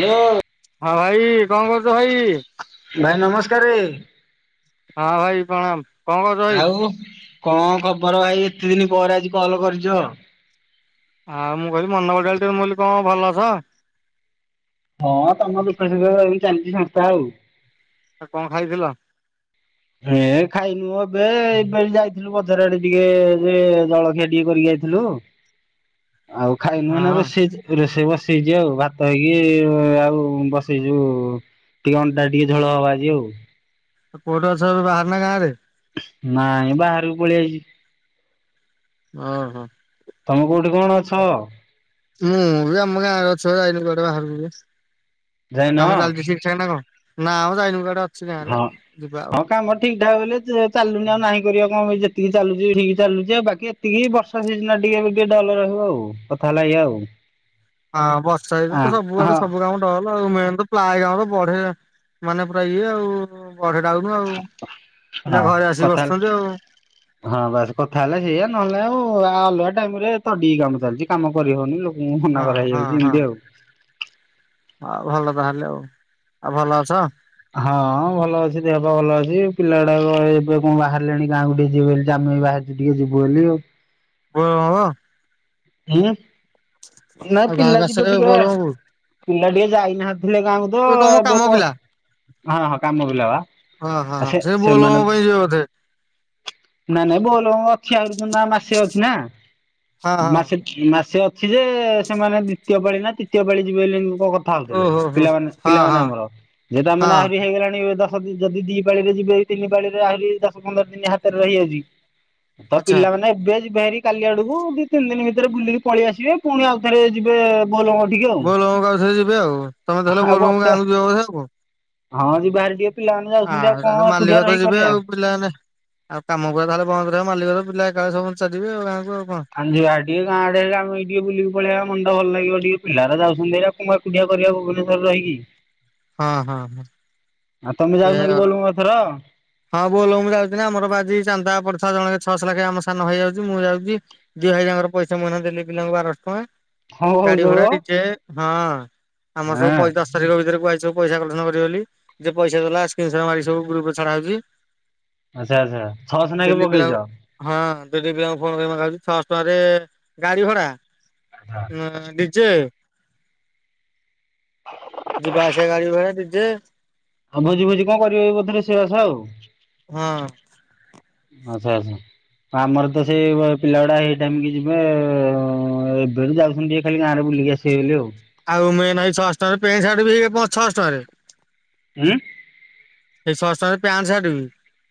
ହା ଲୋ। ହଁ ଭାଇ କଁ କରୁଛ ଭାଇ। ଭାଇ ନମସ୍କାରେ। ହଁ ଭାଇ ପ୍ରଣାମ। କଣ କରୁଛ ଭାଇ? ଆଉ କଣ ଖବର ଭାଇ? ଏତେ ଦିନି ପରେ ଆଜି କଲ କରିଚ। ଆଉ ମୁଁ କହିଲି ମନଗଡାଲି ଟିକେ ବୋଲି କଣ କହିଲି ଭଲତ? ହଁ ତମ ଦୁଖ ସୁଖ ଚାଲିଛି ସଂସ୍ଥା ଆଉ। ଆ କଣ ଖାଇଥିଲ? ହେ ଖାଇନୁ ଏବେ ଏବେ ଯାଇଥିଲୁ ବଜାର ଆଡେ ଟିକେ ଜଳଖିଆ ଟିକେ କରିକି ଯାଇଥିଲୁ। ଆଉ ଖାଇ ନୁହ ନା ହଁ ରୋଷେଇ ରୋଷେଇ ବସେଇଛି ଆଉ ଭାତ ହେଇକି ଆଉ ବସେଇଛୁଉ ଟିକେ ଅଣ୍ଟା ରେ ଟିକେ ଝୋଳ ହବ ଆଜି ଆଉ। କୋଉଠି ଅଛ ଏବେ ବାହାର ନା ଗାଁରେ? ନାଇଁ ବାହାରକୁ ପଳେଇ ଆାଇଚି। ହଁ ହଁ। ତମ କୋଉଠି କଣ ଅଛ? ମୁଁ ବି ଆମ ଗାଁରେ ଅଛି ଯାଇନି କୁଆଡେ ବାହାରକୁ ଆଉ ଯାଇନ? କାମ ଚାଲିଛି ସେ [unintelligible] ନା ମ ଯାଇନି କୁଆଡେ ଅଛି ଗାଁରେ ହଁ ଯିବା ଆଉ। ହଁ କାମ ଠିକ୍ ଠାକ ହେଲେ ଚାଲୁ ନି ଆଉ ନାହିଁ। କରିବା କଣ ଯେତିକି ଚାଲୁଛି ଠିକ ଚାଲୁଛି ଆଉ ବାକି ଏତିକି ବର୍ଷା ସିଜନ ଟିକେ ଟିକେ ଡଲ ରହିବ ଆଉ। କଥା ହେଲା ଏୟା ଆଉ। ହଁ ବର୍ଷା ଏଇରେ ତ ହଁ ସବୁଆଡେ ସବୁ କାମ ଟଲ ମେନ୍ ତ ପ୍ଲାଏ କାମ ତ ବଢେ ମାନେ ପୁରା ଇଏ ଆଉ। ବଢେ ଡ଼ାଉନୁ ଆଉ ପିଲା ହଁ ଘରେ ଆସିକି କଥା ବସୁଛନ୍ତି ଆଉ। ହଁ ବାସ କଥା ହେଲା ସେଇଆ ନହେଲେ ଆଉ ଅଲଗା ଟାଇମ ରେ ତଡିି କାମ ଚାଲିଛି କାମ କରି ହଉନି ଲୋ ହନା ହଁ କରା ହଁ ହେଇଯାଉଛି ହଁ ଏମିତି ଆଉ। ଆଉ ଭଲ ତାହେଲେ ଆଉ ଆଉ ଭଲ ଅଛ। ହଁ ଭଲ ଅଛି ଦେହ ପା ଭଲ ଅଛି ପିଲା ଗୁଡ଼ାକ ଏବେ କଣ ବାହାରିଲେଣି ଗାଁକୁ ଟିକେ ଯିବେ ବୋଲି ଆମେ ବି ବାହାରି ଟିକେ ଯିବୁ ବୋଲି ଆଉ। ବ ଅ। ହୁଁ ନା ଆଉ ଗାଁକୁ ପିଲା ଆସ ଯିବେ କେବେ ଟିକେ। ବୋଲବମ୍ ପିଲା ଟିକେ ଯାଇନାହାଥିଲେ ଗାଁ କୁ। ଓ ତମ କାମ ପିଲା। ହଁ କାମ ପିଲା ବା ହ ହ ହ ସେ ବୋଲ ବମ୍ ପାଇଁ ଯିବେ ବୋଧେ। ନାଇଁ ନାଇଁ ବୋଲ ବମ ଅଛି ଆହୁରି ମାସେ ଅଛି ନା। ହଁ ହଁ ମାସେ ମାସେ ଅଛି ଯେ ସେମାନେ ଦ୍ଵିତୀୟ ପାଳି ନା ତୃତୀୟ ପାଳି ଯିବେ ବୋଲି ଏମିତି କଣ କ ଥା ହଉଥିଲେ ଓହୋ ହୋ ପିଲାମାନେ ହଁ ପିଲାମାନେ ହଁ ଆମର ଯେତ ମାନେ ହଁ ଆହୁରି ହେଇଗଲାଣି ତ ଯଦି ଦି ପାଳିରେ ଯିବେ ତିନି ପାଳି ରେ ଆହୁରି ଦଶ ପନ୍ଦର ଦିନ ହାତରେ ରହିଯାଉଛି। ତ ଆଚ୍ଛା ପିଲାମାନେ ଏବେ ଯିବେ ହେରି କାଲି ଆଡକୁ ଦି ତିନି ଦିନ ଭିତରେ ବୁଲିକି ପଳେଇ ଆସିବେ ପୁଣି ଆଉ ଥରେ ଯିବେ। ବୋଲ ବମ ଟିକେ। ଆଉ। ବୋଲବମକୁ ଆଉ ଥରେ ଯିବେ ଆଉ ତମେ ତାହାଲେ ଆଉ ବୋଲବମ ବର୍ଷା ଗାଁକୁ ଯିବ ବୋଧେ ଆଉ କଣ। ହଁ ଯିବା ହେରି ଟିକେ ପିଲାମାନେ ଯାଉଛନ୍ତି ଆଉ କଣ ଏକୁଟିଆ ରହି କରିବା। ପିଲା ମାନେ ଆଉ କାମ ଗୁରା ତାହଲେ ବନ୍ଦ ରହିବ ମାଲିକର ପିଲା ଏକାଳେ ସବୁ ଚାଲିବେ ଗାଁ କୁ ଆଉ କଣ। ଯିବା ହେରି ଟିକେ ଗାଁ ଆଡ଼େ ଟିକେ ବୁଲିକି ପଳେଇଆ ମନଟା ଭଲ ଲାଗିବ ଟିକେ ପିଲା ହେରା ଯାଉଛନ୍ତି ହେରି ପୁଡିଆ କରିବା ଭୁବନେଶ୍ୱରରେ ରହିକି। ହଁ ହଁ ହଁ। ଆଉ ତମେ ଯାଉନ କି ଏଇଆ କଥା ବୋଲବମ ଏଥର? ହଁ ବୋଲ ବମ୍ ଯାଉଛି ନା ଆମର ବା ଆଜି ଚାନ୍ଦା ପଡ଼ିଥିଲା ଜଣକେ ଛଅଶ ଲାଖେ ଆମ ସାନ ଭାଇ ଯାଉଛି ମୁଁ ଯାଉଚି। ଦୁଇ ଭାଇ ଯାକର ପଇସା ମୁଁ ଏଇନା ଦେଲି ପିଲାଙ୍କୁ ବାରଶ ଟଙ୍କା। କଣ କହୁଛ ଗାଡି ମ ଭଡା ହଁ ଡିଯେ ହଁ ଆମର ସବୁ ପଇସ ଶାରୀରିକ ଭିତରେ କୁହା ହେଇଚି ସବୁ ପଇସା କଲେକ୍ସନ କରିବ ବୋଲି ଯେ ପଇସା ଦେଲା ସ୍କ୍ରିନ୍ ଶଟ ମାରିକି ସବୁ ଗ୍ରୁପ୍ ରେ ଛଡା ହଉଛି। ଆଚ୍ଛା ଆଚ୍ଛା ଛଅସ ନାକେ ଡେଲି ପିଲାଙ୍କୁ ପକେଇଯ। ହଁ ଦିଦି ପିଲାଙ୍କୁ ଫୋନ କରି [unintelligible] ଛଅଶହ ଟଙ୍କାରେ ଗାଡି ଭଡା ନ ଡିଜେ। ଯିବା ଆସିବା ଗାଡି ଭଡା ଡିଜେ। ଆଉ ଭୋଜି ଫୋଜି କଣ କରିବ ବୋଧେ ରୋଷଇ ବାସ ଆଉ। ହଁ। ଆଚ୍ଛା ଆଚ୍ଛା ଆମର ତ ସେଇ ପିଲା ଗୁଡା ହେଇ ଟାଇମ କି ଯିବେ। ହଁ ଏବେଠୁ ଯାଉଛନ୍ତି ଟିକେ ଖାଲି ଗାଁରେ ବୁଲିକି ଆସିବେ ବୋଲି ଆଉ। ଆଉ ମେନ୍ ହେଇ ଛଅଶ ଟଙ୍କାରେ ପେଣ୍ଟ ସାର୍ଟ ବି ହେଇ ଛଅଶ ଟଙ୍କାରେ। ଉଁ ହେଇ ଛଅସ ଟଙ୍କାରେ ପ୍ୟାଣ୍ଟ ସାର୍ଟ ବି।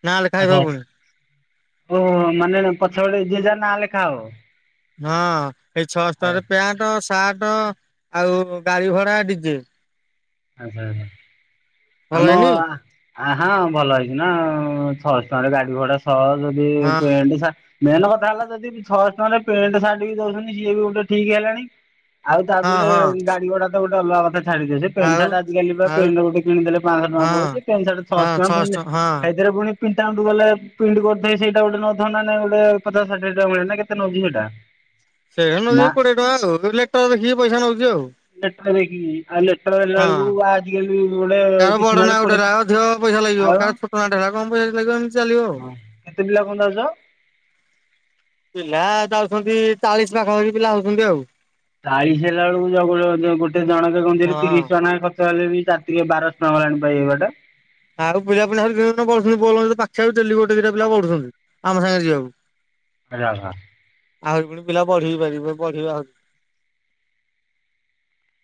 ନାଁ ଲେଖା ହେଇଥିବ ପୁଣି [unintelligible] ଓ ହ ମାନେ ପଛ ପଟେ ଯିଏ ଯାହା ନା ଲେଖା ହବ। ହଁ ଏଇ ଛଅଶ ଆଚ୍ଛା ଟଙ୍କାରେ ପିଆଣ୍ଟ ସାଆଟ ଆଉ ଗାଡି ଭଡା ଡିଜେ ଆଛା ଭଲ ଆମ ହେଇନି ଆ ଆ ହଁ ଭଲ ହେଇଛି ନା ଆଉ ଛଅସ ଟଙ୍କାରେ ଗାଡି ଭଡା ସହ ଯଦି ହଁ ପେଣ୍ଟ ସା ମେନ୍ କଥା ହେଲା ଯଦି ଛଅଶ ଟଙ୍କାରେ ପେଣ୍ଟ ସାର୍ଟ ବି ଦଉଛନ୍ତି ସିଏ ବି ଗୋଟେ ଠିକ ହେଲାଣି। ଆଉ ହଁ ତାପରେ ହଁ ଗାଡି ଗୋଡା ତ ଗୋଟେ ଅଲଗା କଥା ଛାଡିଦେ ସେ ପେଣ୍ଟ ଆଉ ସାର୍ଟ ଆଜି କାଲି ବା ଆଉ ପେଣ୍ଟେ ଗୋଟେ କିଣିଦେଲେ ପାଞ୍ଚଶ ଟଙ୍କା ହଁ ପଡୁଚି ପେଣ୍ଟ ସାର୍ଟ ଛଅଶ ଟଙ୍କା ପୁଣି ହେଇଦିରେ ପୁଣି। ପ୍ରିଣ୍ଟ ଆଉଟ ଗଲେ ପ୍ରିଣ୍ଟ କରି ଦେଇ ସେଇଟା ଗୋଟେ ନଥାନ୍ତା ନା ଗୋଟେ ପଚାଶ ଷାଠିଏ [unintelligible] ନା କେତେ ନଉଛି ସେଇଟା? ସେଇଆ ନା ନଦେଇ କୋଡିଏ ଟଙ୍କା ଆଉ ଦୁଇ [unintelligible] ଦେଖିକି ପଇସା ନଉଛି ଆଉ। ଯାତ୍ରା ଦେଖିଯିବି ଆଇଲେ। [unintelligible] ହଁ ବେଳକୁ ଆଜିକାଲି ଗୋଟେ ତାର କିଛି ନହେଲେ ପଡେ ଆଉ। [unintelligible] କଣ ପଇସା ଲାଗିବ ଏମତି ଚାଲିବ ଆଉ। କେତେ ପିଲା [unintelligible] ଯାଉଜ। ପିଲା ଯାଉଛନ୍ତି ଚାଳିଶ ପାଖାପାଖି ପିଲା ହଉଛନ୍ତି ଆଉ। ଚାଳିଶ ହେଲା ବୁଳୁକୁ [unintelligible] ଗୋଟେ ଜଣଙ୍କ ଗଞ୍ଜିରେ ତିରିଶ ହଁ ଟଙ୍କା ନାଖେ ଖ [unintelligible] ବାରଶ ଟଙ୍କା ହେଲାଣି ପା ଏଇ ବାଟେ। ଆଉ ପିଲା ଫିଲା [unintelligible] ବୋଲବମ୍ବ ପାଖେଇଲା ଡେଲି ଗୋଟେ ଦିଟା ପିଲା ବଢୁଚନ୍ତି। ଆମ ସାଙ୍ଗରେ ଯିବାକୁ। [unintelligible] ଆହୁରି ପୁଣି ପିଲା ବଢ଼ିବି ପାରିବେ ବଢିବେ ଆହୁରି।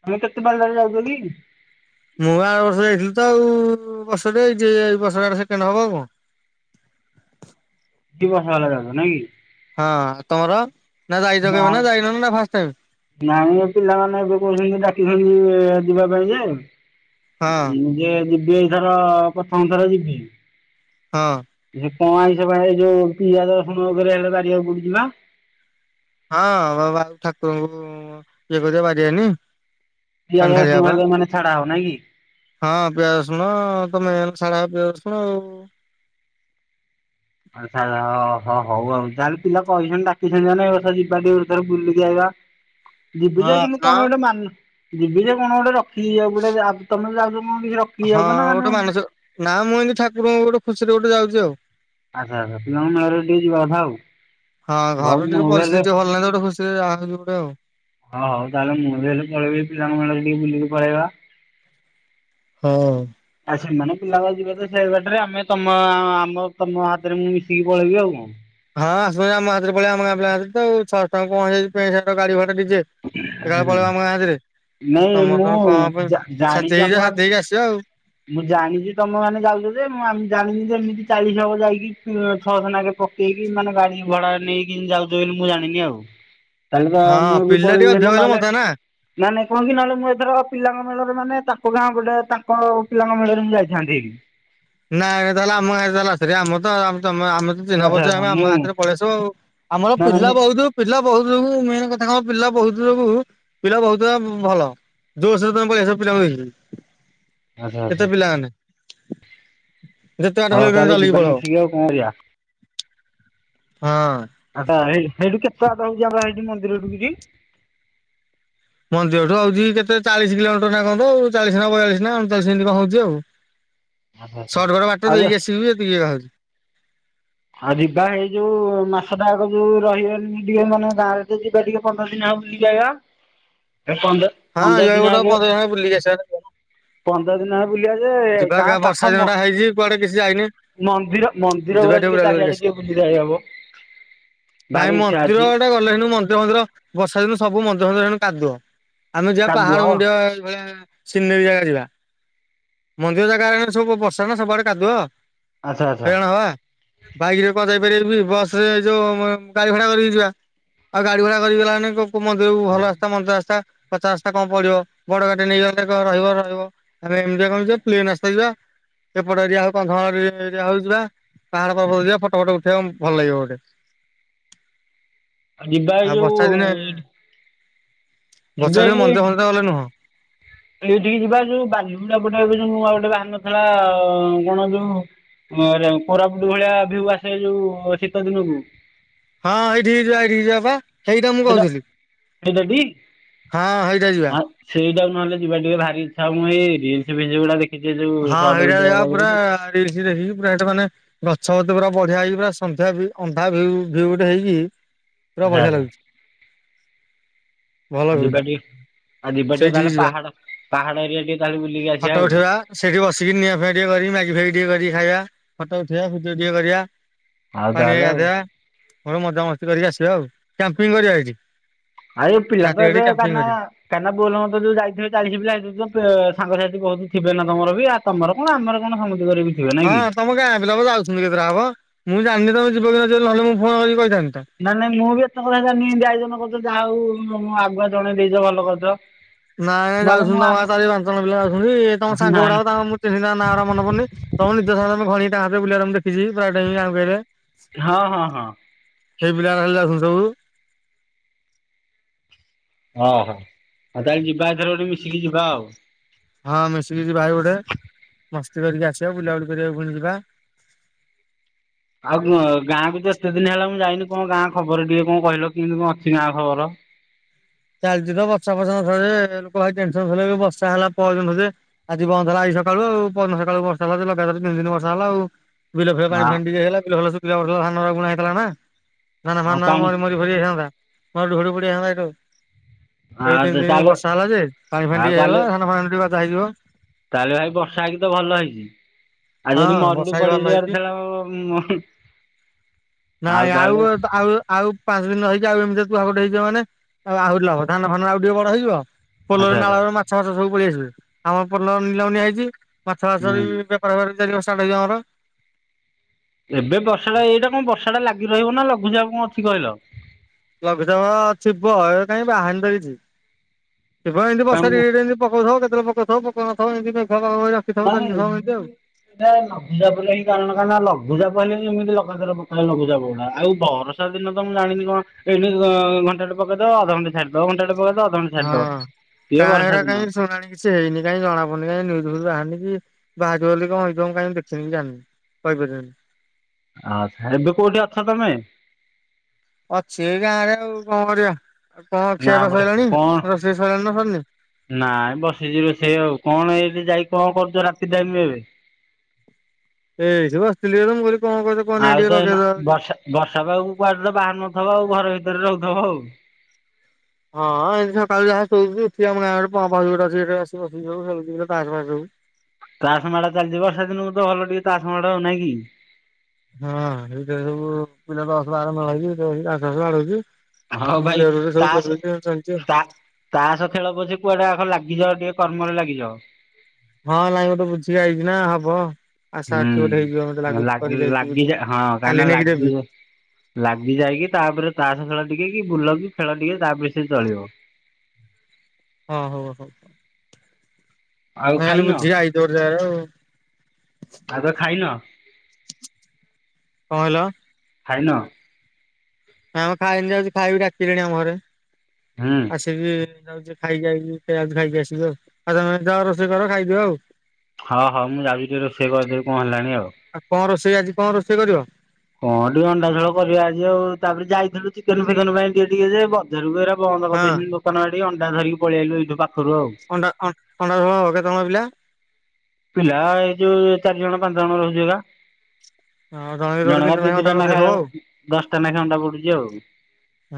ତମେ କେତେ ପାଳି ଯାକେ ଯାଉଚ କି? ମୁଁ ବା ଆର ବର୍ଷ ଯାଇଥିଲି ତ ଆଉ ବର୍ଷଟେ ଯେ ଏଇ ବର୍ଷ ଡା ଏଡା ସେକେଣ୍ଡ ହବ ଆଉ କଣ। ଦି ବର୍ଷ ହେଲା ଯାଉଚ ନା କି। ହଁ ତମର ନା ଯାଇଚ କେବେ ନା ଯାଇନ ଫାଷ୍ଟ ଟାଇମ। ନାଇଁ ପିଲାମାନେ ଏବେ କହୁଛନ୍ତି ଡାକିଛନ୍ତି ଯିବା ପାଇଁ ଯେ। ହଁ ମୁଁ ଯେ ଯିବି ଏଇଥର ପ୍ରଥମ ଥର ଯିବି। ହଁ। ସେ କଣ ଏଇ ସେ ଯୋଉ ପିଆଜ ରସୁଣରେ ହେଲେ ବାରିବାକୁ ପଡୁଛି ବା। ହଁ ବାବାଉ ଠାକୁରଙ୍କୁ ଇଏ କରିଆ ବାରିବାନି। ପିଆଜ ଆ ରସୁଣ ହେଲେ ମାନେ ନି ଛଡା ହବ ନାଇ କି? ହଁ ପିଆଜ ରଶୁଣ ତ ମେନ ଚଢା ପିଆଜ ରଶୁଣ ଆଉ ଆଚ୍ଛା ହୋ ହଉ ହଉ ଯାହାେଲେ ପିଲା କହିଛନ୍ତି ଡାିଛନ୍ତି ଏଥର ଯିବା ଥର ବୁଲି ଆଇବା। ଯିବିଯେ କିନ୍ତୁ ହଁ କଣ ଗୋଟେ ମାନ ଯିବିଜା କଣ ଗୋଟେ ରଖି ଆଉ ଗୋଟେ ତମେ ବି ଯାଉଛ କଣ କିଛି ରଖି ଯାଉଛ ନା ମାନେ ଏମିତି ନାଁ ମୁଁ ଏନ୍ତି ଠାକୁରଙ୍କୁ ଗୋଟେ ଖୁସିରେ ଗୋଟେ ଯାଉଛି ଆଉ ଆଚ୍ଛା ଆଚ୍ଛା ପିଲଣ ମରେ ଟିକ ଯିବା କଥା ଆଉ ଘରୁ ମୁଁ ବି ହେଲେ ଖୁସି। ଆହୁଛି ଗୋଟେ ଆଉ ହଉ ହଉ ତାହେଲେ ମୁଁ ବି ହେଲେ ପଳେଇବି ପିଲାଙ୍କ ମଣ୍ଡରେ ଟିକେ ବୁଲିକି ପଳେଇବା ହଁ। ଆଉ ସେମାନେ ପିଲାବେ ଯିବେ ତ ସେ ବାଟରେ ଆମେ ତମ ଆମ ତମ ହାତରେ ମୁଁ ମିଶିକି ପଳେଇବି ଆଉ କଣ? ହଁ ଶୁଇବା ଆମ ହାତରେ ପଳଆ ଆମ ପିଲାଙ୍କ ହରେ ଛଅଶ ଟଙ୍କା ପହଞ୍ଚେଇ ପେଣ୍ଟ ସାର୍ଟ ଗାଡି ଭଡା ଡିଜେ ଏକାବେଳେ ପଳେଇ ଆମ ସାଥିରେ। ନାଇଁ ମୁଁ ଜାଣିକି ହେଇକି ଆମ ଯାଅ ସାଥି ଗାଁ ହେଇକି ଆସିବ ଆଉ। ମୁଁ ଜାଣିଛି ତମ ମାନେ ଯାଉଛ ଯେ ମୁଁ ଆମ ଜାଣିିନି ଯେ ଏମିତି ଚାଳିଶ ହବ ଯାଇକି ଛଅଶହ ଟଙ୍କେ ହ ବମ ସେଇଠି ମାନେ ଗାଡି ଭଡା ନେଇକି ଯାଉଛ ବୋଲି ମୁଁ ଜାଣିନି ଆଉ? ତାହେଲେ ତ ହଁ ମୁଁ ବି ପିଲା ଟିକେ ଅଧିକ କହିଲେ ମଜା ନା। ନା ନାଇଁ କୁହ କି ନହେଲେ ମୁଁ ଏଥର ପିଲାଙ୍କ ମେଳରେ ମାନେ ତାଙ୍କ ଗାଁ ଗୋଟେ ତାଙ୍କ ପିଲାଙ୍କ ମେଳରେ ମୁଁ ଯାଇଥାନ୍ତି। ନାଁ ଏମିତି ହେଲା ମୁଁ ଏମିତି ହେଲା ଶେ ଆମର ତ ତମେ ଆମେ ତ। ଚିହ୍ନା ଆଚ୍ଛା ପରିଚୟ ଆଚ୍ଛା ଆମେ ମୁଁ ଆମ ହାତରେ ପଳେଇ ଆସିବ ଆମର ନା ନା ପିଲା ମୁଁ ବହୁତ ପିଲା ବହୁତୁ ଯୋଗୁଁ ମେନ୍ କଥା କଣ ପିଲା ବହୁତ ଯୋଗୁଁ ପିଲା ବହୁତ ଜଗା ଭଲ। ଜୋସରେ ତମ ପଲେଇଆସ ପିଲାଙ୍କୁ ନେଇକି କେତେ ପିଲାମାନେ? ଯେତେ ବାଟ ହଁ ହେଲେ ତମେ ତାହେଲେ ଚାଲିକି ଯିବା ପଳେଇବ ମିଶିକି ଆଉ କଣ କରିବା? ହଁ। ଆଚ୍ଛା ହେଇ ହେଇଠୁ କେତେ ବାଟ ହଉଛି ଆମ ହେଇଠି ମନ୍ଦିରକୁ ଯିବି? ମନ୍ଦିରଠୁ ହଉଛି କେତେ ଚାଳିଶ କିଲୋମିଟର ନା କଣ ତ ଆଉ ଚାଳିଶ ନା ବୟାଳିଶି ନା ଅଣଚାଳିଶି ଏମିତି କଣ ହଉଛି ଆଉ? ଆଚ୍ଛା ଆଚ୍ଛା। ସଟକଟ ବାଟ ଆଉ ଦେଇକି ଆସିଲୁ ଯେ ଏତିିକିହଉଛି। ହଁ ଯିବା ଏଇ ଯୋଉ ମାସଟା ଆଗ ଯୋଉ ରହିଗନି ଟିକେ ମାନେ ଗାଁରେ ତ ଯିବା ଟିକେ। ପନ୍ଦର ଦିନ ହବ ବୁଲି ଆଇଲା ଏ ପନ୍ଦର ହଁ ପନ୍ଦର ଏ ଜାଗାକୁ ଏ ବର୍ଷ ଆଗେ ପନ୍ଦର ଦିନ ହେଲାଣି ବୁଲିକି ଆଶିସାରିଲାଣି। ପନ୍ଦର ଦିନ ହେଲା ବୁଲିବା ଯେ ଯିବା ଗାଁ ବର୍ଷା ପାଖ ମ ଦିନଟା ହେଇଛି କୁଆଡେ କିଛି ମନ୍ଦିର ମନ୍ଦିରଗୁଡା [unintelligible] ଟିକେ ଚାରିଆଡେ ଟିକେ ବୁଲିକି ଆଇ ହବ। ଭାରି ଇଚ୍ଛା ଅଛି ଶ୍ରୀମନ୍ଦିର ବର୍ଷା ଦିନ ସବୁ ମନ୍ଦିର ଫନ୍ଦିର କାଦୁଅ ଆମେ ଯିବା ପାହାଡ କାଦୁଅ ମୁଡିଆ ଏଇଭଳିଆ ସିନେରୀ ଜାଗା ଯିବା। ମନ୍ଦିର ଜାଗା ହେରିକା ସବୁ ବର୍ଷା ନା ସବୁଆଡେ କାଦୁଅ ଆଚ୍ଛା ଆଚ୍ଛା। ହଇରାଣ ହବା। ବାଇକରେ କଣ ଯାଇପାରିବି ବସ୍ ରେ ଯୋଉ ମୁଁ ଗାଡି ଭଡା କରିକି ଯିବା। ଆଉ ଗାଡି ଭଡା କରିଗଲାନି କୁ ମନ୍ଦିରକୁ ଭଲ ରାସ୍ତା ମନ୍ଦ ରାସ୍ତା। ପଚା ରାସ୍ତା କଣ ପଡିବ ବଡ ଗାଡି ନେଇଗଲେ କଣ ରହିବ ରହିବ ଆମେ ଏମିତିଆ କଣ ଯିବା ପ୍ଲେନ୍ ରାସ୍ତାରେ ଯିବା। ଏପଟ ଏରିଆ ହଉ କନ୍ଧମାଳ ଏରିଆ ଏରି ହଉଛି ପା ପାହାଡ ପର୍ବତକୁ ଯିବା ଫଟୋ ଫଟୋ ଉଠେଇିବା ଭଲ ଲାଗିବ ଗୋଟେ ଯିବା ଏ ଆଉ ଯୋଉ ବର୍ଷା ଦିନେ ଏଇଠି ବର୍ଷା ଦିନ ଏଇ ମନ୍ଦିର ଫନ୍ଦିର ଗଲେ ନୁହଁ। ଏଇଠିକି ଯିବା ଯୋଉ ବାଲିବୁଲା ପଣ୍ଡା ଗୋଟେ ଏବେ ଯୋଉ ନୂଆ ଗୋଟେ ବାହାରି ନଥିଲା କଣ ଯୋଉ ହଁ ରେ କୋରାପୁଟ ଭଳିଆ ଭ୍ୟୁ ଆସେ ଯୋଉ ଶୀତ ଦିନକୁ। ହଁ ଏଇଠି ଯିବା ଏଇଠିକି ଯିବା ପା। ହେଇଟା ମୁଁ ସେଇଟା କହୁଥିଲି ସେଇଟା ଟି? ହଁ ହେଇଟାରେ ଯିବା। ହଁ ସେଇଟାକୁ ନହେଲେ ଯିବା ଟିକେ ଭାରି ଇଚ୍ଛା ହୁଏ ମୁଁ ରିଲ୍ସ ଫିଲ୍ସ ଗୁଡା ଦେଖିଛି ଯୋଉ ସଟ୍ ଭିଡିଓ ରା ଗୁରା ଦେଖିଚି। ରିଲସ୍ ଦେଖିକି ପୁରା ହେଟା ମାନେ ଗଛ ପତ୍ର ପୁରା ବଢିଆ ହେଇଛି ପୁରା ସନ୍ଧ୍ୟା ଭି ଅନ୍ଧା ଭିୟୁ ଭିୟୁଟେ ହେଇକି ପୁରା ଆଚ୍ଛା ବଢିଆ ଆଚ୍ଛା ଲାଗୁଛି। ଭଲ ଆ ଭିଉ ଟା। ଯିବାଟିକେ ଆ ଯିବାଟିକେ ସେଇଠିକି ତାହେଲେ ଯିବା ପାହାଡ ପାହାଡ ଏରିଆ ଟିକେ ତାହେଲେ ବୁଲିକି ଆସିବା ଫଟୋ ଆଉ। ଉଠେଇବା ସେଇଠି ବସିକି ନିଆ ଫିଆଁ ଟିକେ କରିକି ମ୍ୟାଗି ଫ୍ୟାଗି ଟିକେ କରିକି ଖାଇବା ଫଟୋ ଉଠେଇବା ଭିଡିଓ ଟିକେ କରିବା। ଆଉ ତାହେଲେ ଆଉ। ହଉ ମଜାମସ୍ତି କରିକି ଆସିବା ଆଉ କ୍ୟାମ୍ପିଙ୍ଗ କରିବା ଏଇଠି। ଆଈ ଯୋଉ ରାତି ପିଲାତ ଏଠି ଏବେ କ୍ୟାମ୍ପିଂ କରିବା। କାରନାମା। କାହିଁନା ବୋଲବମ୍ ତ ଯୋଉ ଯାଇଥିବେ ଚାଳିଶି ପିଲା ସେଥିରୁ ଯେଉଁ ପେ ସାଙ୍ଗସାଥି ବହୁତ ଥିବେ ନା ତମର ବି ଆଉ। ତମର କଣ ଆମର କଣ ସମିତିଙ୍କରବି। ହଁ ତମ ଗାଁ ପିଲା ବା ଯାଉଛନ୍ତି କେତେଟା ହବ ମୁଁ ଜାଣିନି ତ ତମେ ଯିବ କି ନ ଯିବ ନହେଲେ ମୁଁ ଫୋନ କରିକି କହିଥାନ୍ତି ତ। ନାଇ ନାଇ ମୁଁ ବି ଏତେ କଥା ଜାଣିନିି ଏନ୍ତ୍ ଆୟୋଜନ କରିଛନ୍ତି ଯାହା ହଉ ଉ ମୁଁ ଆଗୁଆ ଜଣେଇ ଦେଇଛ ଭଲ କରିଛ। ନାଇଁ ନହେଲେ ଯାଉଛନ୍ତି ମୁଁ ତମ ଆମ ଗାଁ ଚାରି ପାଞ୍ଚ ଜଣ ପିଲା ଯାଉଛନ୍ତି ତମ ନା ସାଙ୍ଗ ଗୁଡ଼ାକ ତାଙ୍କ ମୁଁ ସେ ସିନା ନାଁ ରା ମନେ ପଡୁନି ତମ ନିଜସାଙ୍ଗରେ ମୋ ଭାଉଣୀ ତା ହାତଧରି ବୁଲିବାର ମୁଁ ଦେଖିଛି ପ୍ରାୟ ଟାଇମ୍ ଗାଁ। [unintelligible] ହଁ ହଁ ହଁ। ହେଇ ପିଲା ରହିଲା ଯାଉଛନ୍ତି ସବୁ। ଓହୋ ତାହେଲେ ଯିବା ଏଥର ଗୋଟେ ମିଶିକି ଯିବା ଆଉ। ହଁ ମିଶିକି ଯିବାହାରୀ ଗୋଟେ ମସ୍ତି କରିକି ଆସିବା ବୁଲାବୁଲି କରିବାକୁ ପୁଣି ଯିବା। ଆଉ କଣ ଗାଁକୁ ତ ଏତେ ଦିନ ହେଲା ମୁଁ ଯାଇନି କଣ ଗାଁ ଖବର ଟିକେ କଣ କହିଲ କେମିତି କଣ ଅଛି ନା ଖବର? ଚାଲିଛି ତ ବର୍ଷା ବର୍ଷକ ଥରେ ଲୋକ ଭାରି ଟେନସନ ହୋଉଥିରଲେ ରୁ ଏବେ ବର୍ଷା ହେଲା ପହରଦିନଠୁ ଯେ ଆଜି ବନ୍ଦ ହେଲା ଆଜି ସକାଳୁ ଆଉ ପହଦିନ ସକାଳୁ ବର୍ଷା ହେଲା ଲଗାତର ତିନି ଦିନ ବର୍ଷା ହେଲା ଆଉ। ବିଲ ଫିଲ ପାଣି ହଁ ଫାଣୀ ଟିକେ ହେଲା ବିଲ ଫିଲ ଶୁଖିଲ ପଡିଥିଲା ଧାନରା ବୁଣା ହେଇଥିଲା ନା। ଧାନ ଆଉ ଫାନ ପାଣି ମରି ମରି ଫରି ଯାଇଥାନ୍ତା ମରୁଡ଼ି ଫରୁଡ଼ି ପଡ଼ିଯାଇଥାନ୍ତା ହେଠୁ। ଏବେ ତିନ ଆଉ ଦିନ ତାହେଲେ ବର୍ଷା ହେଲା ଯେ ପାଣି ଫାଣି ଆଉ ଟିକେ ତାହେଲେ ହେଲା ଧାନ ଫାନ ଟିକେ ଗଜା ହେଇଯିବ। ତାହେଲେ ଭାଇ ବର୍ଷା ହେଇକି ତ ଭଲ ହେଇଛି। ଆଉ ଯଦି ହଁ ମରୁଡି ବର୍ଷା ବି ଭଲ ପଡିଯିବାର ହେଇଛି। ଥିଲା ନାଇଁ ଆଉ ତ ଆଉ ଆଉ ପାଞ୍ଚ ଦିନ ରହିକି ଆଉ ଏମିତି [unintelligible] ହେଇଯିବ ମାନେ ଆହୁରି ଲାଭ ଧାନ ଫାନ ଆଉ ଟିକେ ବଡ ହେଇଯିବ। ଆଚ୍ଛା ପୋଲରେ ଆଚ୍ଛା ନାଳରେ ମାଛ ଫାଛ ସବୁ ପଳେଇ ଆସିବେ। ଆମର ପୋଲ ନିଲାମରେ ନିଆ ହେଇଛି ମାଛ ଫାଛ ବି ହୁଁ ବେପ ପାର ଫେପାର ଚାଲିବ ଷ୍ଟାର୍ଟ ହେଇଯିବ ଆମର। ଏବେ ବର୍ଷା ଟା ଏଇଟା କଣ ବର୍ଷା ଟା ଲାଗି ରହିବ ନା ଲଘୁଚାପ କଣ ଅଛି କହିଲ। ଲଘୁଚାପ ଥିବ ଏବେ କାଇଁ ବାହାରିନି ତ କିଛି ଥିବ ଏମତି କାରଣ ବର୍ଷା ମୁଁ ଟିକେ ଟିକେ ଏମିତି ପକଉଥିବ କେତେବେଳେ ପକଉଥିବ ପକଉନଥିବ ଏମତି ମେଘୁଆ ପାଗକରି ରଖିଥିବ ଚାଲିଥିବ ଏମତି ଆଉ। ଏ ଲଘୁଚାପ ଲାଗି କାରଣ କଣ ନା ଲଘୁଚାପ ହେଲେ ହିଁ ଏମିତି ଲଗାତାର ପକାଇଲେ ଲଘୁଚାପ ଗୁଡା ଆଉ ବରଷ ର୍ଷାଦିନ ତ ମୁଁ ଜାଣିନି କଣ ଏଇନେ ଅ ଘଣ୍ଟାଟେ ପକେଇଦବ ଅଧ ଘଣ୍ଟା ଛାଡିଦବ ଘଣ୍ଟେଟା ପକେଇଦବ ଅଧ ଘଣ୍ଟେ ହଁ। ଛାଡିଦବ ଏ କାଁ ହେରା ବର୍ଷା କାଇଁ ଦିନ ଶୁଣାଣି କିଛି ହେଇନି କାଇଁ ଜଣାପଡୁନି କାଇଁ ନ୍ୟୁଜ ଫ୍ୟୁଜ ବାହାରିନି କି ବାହାରିବ ବୋଲି କଣ ହେଇଥିବ ମୁଁ କାଇଁ ଦେଖିନି କି ଜାଣିନି। କହିପାରିବିନି। ଆଚ୍ଛା, ଏବେ କୋଉଠି ଅଛ ତୋମେ? ଅଛି ଏଇ ଗାଁରେ, ଆଉ କଣ କରିବା? ଆଉ କଣ ଗାଁ ଖିଆପିଆ ପଟେ ସଇଲାଣି? କଣ ରୋଷେଇ ସଇଲାଣି ନା ସରନି? ନାଇଁ ବସିଚି ରୋଷେଇ ଆଉ, କଣ ଏଇଠି ଯାଇ କଣ କରୁଚ ରାତି ଟାଇମ୍ ଏବେ? ଏଇଠି ବସିଥିଲି ତ ମୁଁ କହିଲି କଣ କରୁଚ କଣ ନାହିଁ ଆଉ ଟିକେ ତ ଏଇନା ଲଗେଇଦବା ହଉଚି। ବର୍ଷା ବର୍ଷା ପାଗକୁ କୁଆଡେ ତ ବାହାରୁ ନଥିବ ଆଉ ଘରେ ଭିତରେ ରହୁଥୁବ। ହଁ ଏମିତି ସକାଳୁ ଯାହା ଶୋଉଚୁ, ଉଠି ଆମ ଗାଁ ରେ ପମ୍ପ ହାଉସ୍ ଗୋଟେ ଅଛି ସେଇଠି ଆସି ବସିକି ଯାଉ, ଖେଳୁଚି [unintelligible] ତାସ ଫାସ ସବୁ। ତାସ୍ ମାଡ ଚାଲିଚି, ବର୍ଷା ଦିନକୁ ତ ଭଲ ଟିକେ ତାସ୍ ମାଡ ନାଇଁ କି? ହଁ ହେଇଟା ସବୁ ପିଲା ଦଶ ବାର ମେଳ ହେଇକି ସେଠି ବସିକି ତାସ୍ ଫାସ୍ ହଉ ବାଡଉଚୁ। ଭାଇ ବୁଢାଲୋକ ସବୁ ଜମିକି ଆଉ ଚାଲଚି ଆଉ। ତାସ୍ ଖେଳ ପଛେ କୁଆଡେ ଆଘ ଲାଗିଯାଅ ଟିକେ କର୍ମରେ ଲାଗିଯାଅ। ହଁ ନାଇଁ ମୁଁ ତ ବୁଝିକି ଆଇଚି ନା ହବ। ଆଶା ଅଛି ହୁଁ, ଗୋଟେ ହେଇଯିବ ମତେ ଲାଗୁଛି ଲାଗ କରିକି ଆଇଛି ବୁଝିକି। ଲାଗିଯା ହଁ କାହିଁକି କାଲି ନା ନେଇକି ଦେବି ଲାଗିଯ ଲାଗି ଯାଇକି ତାପରେ ତାସ୍ ଖେଳ ଟିକେ କି, ବୁଲ କି ଖେଳ ଟିକେ ତାପରେ ସେ ଚଳିବ। ହଁ ହଉ ହଉ। ଆଉ ନହେଲେ ଖାଇନ ବୁଝି ଆଇଚ ବୋଧେ ଯାର ଆଉ। ଆଗ ଖାଇନ? କଣ ହେଲା। ଖାଇନ? ହଁ ମୁଁ ଖାଇମି ଯାଉଚି, ଖାଇବି ଡାକିଲେଣି ଆମ ଘରେ। ହୁଁ। ଆସିବି ଯାଉଛି ଖାଇକି ଆଇଲି ଫେର ଯାଉଚୁ ଖାଇକି ଆସିବି ଆଉ, ଆଉ ତୋମେ ଯାଅ ରୋଷେଇ କର ଖାଇଦିଅ ଆଉ। ହଁ, ହଁ ମୁଁ ଯାଉଚି ଟିକେ ରୋଷେଇ କରିଦେବି କଣ ହେଲାଣି ଆଉ। କଣ ରୋଷେଇ ଆଜି କଣ ରୋଷେଇ କରିବ ହଁ ଟିକେ ଅଣ୍ଡା ଝୋଳ କରିବା ଆଜି ଆଉ, ତାପରେ ଯାଇଥିଲୁ ଚିକେନ୍ ଫିକେନ ପାଇଁ ଟିକେ ଟିକେ ଯେ ବ [unintelligible] ଗୁରା ବନ୍ଦ ହଁ କରିଦେଇଛନ୍ତି ଦୋକାନ ଆଡେ ଅଣ୍ଡା ଧରିକି ପଳିଆଇଲୁ ଏଇଠୁ ପାଖରୁ ଆଉ। ଅଣ୍ଡା ଅଁ, ଅଣ୍ଡା ଝୋଳ ହବ କେତେଜଣ ପିଲା? ପିଲା ଏଇ ଯୋଉ ଚାରି ଜଣ ପାଞ୍ଚ ଜଣ ରହୁଚୁ ଏକା। ହଁ ଜଣକେ ଯୋଡ଼େ ଜଣକା ତିନିଟା ଦି ଲେଖା ଅଣ୍ଡା ଦିଟା କରିଦେଇଥିବ ନେଖାଋ ଆଉ ଦଶଟା ନେଖା ଅଣ୍ଡା ପଡୁଚି ଆଉ।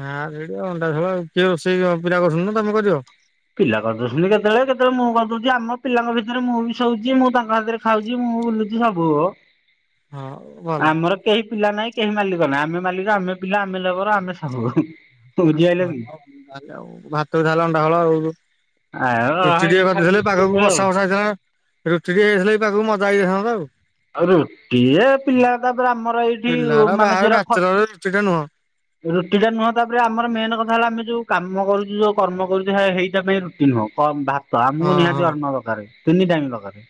ଆଁ, ସେଇଠି ଅଣ୍ଡା ଝୋଳ ଆଉ, କିଏ ରୋଷେଇ ଜ-ପିଲା କରୁଛନ୍ତି ନା ତୋମେ କରିବ? ପିଲା କରିଦଉଛନ୍ତି କେତେଳେ, କେତେଳେ ମୁଁ କରିଦଉଚି, ଆମ ପିଲାଙ୍କ ଭିତରେ ମୁଁ ବି ଶୋଉଚି, ମୁଁ ତାଙ୍କ ହାତରେ ଖାଉଚି ମୁଁ ବୁଲୁଚି ସବୁ ଓ। ହଁ ଭଲ। କେହି ପିଲା ନାଇଁ, କେହି ମାଲିକ ନା, ଆମେ ମାଲିକ, ଆମେ ପିଲା, ଆମେ ଲେବର୍, ଆମେ ସବୁୁ। ହଁ ହଉ ଡାଲି ଆଉ ଭାତ ବି ଖାଇଲା ଅଣ୍ଡା ଝୋଳ ଆଉ ରୁ ଆଉ ରୁଟି ଟିକେ ଏମିତି ଖାଲି କରଦେଇଥିଲେ ଏ ଦଉଛୁ ପାଗକୁ କେତେବେଳେ ଆଉ ବର୍ଷା ଫର୍ଷା ହେଇଥାନ୍ତା, ରୁଟି ଟିକେ ହେଇଥିଲେ ଏ ପାଗକୁ ମଜା ହେଇଯାଇଥାନ୍ତା ଆଉ। ଆଉ ରୁଟି ଏ ପିଲା ତାପରେ ଆମର ଏଇଠି ଉ, ପିଲାଗୁରା ମାନେ ବାହାରେ ଯେରା ଖ ବ୍ୟାଚଲର ରୁଟିଟେ ନୁହଁ ରୁଟି ଟା ନୁହଁ ତାପରେ ଆମର ମେନ୍ କଥା ହେଲା ଆମେ ଯୋଉ କାମ କରୁଚୁ, ଯୋଉ କର୍ମ କରୁଚୁ ସେ ହେଇଟା ପାଇଁ ରୁ ଟି ନୁହଁ କମ ଭାତ ହଁ ଆମକୁ ହଁ। ନିହାତି ଅର୍ଣ୍ଣ ଦରକାରେ, ତିନି ଟାଇମ୍ ଦରକାରେ।